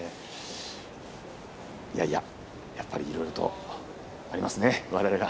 やっぱり、いろいろとありますね。